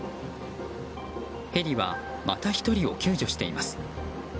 ヘリはまた１人を救助しています。